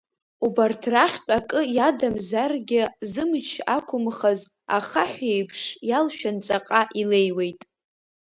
Убарҭ рахьтә акы иадамзаргьы зымч ақәымхаз, ахаҳә еиԥш иалшәан ҵаҟа илеиуеит…